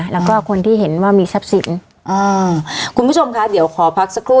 แล้วก็คนที่เห็นว่ามีทรัพย์สินอ่าคุณผู้ชมคะเดี๋ยวขอพักสักครู่